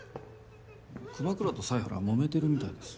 熊倉と犀原もめてるみたいです。